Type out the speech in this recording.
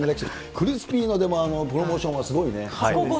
クリスピーの、でもプロモーションはすごいね。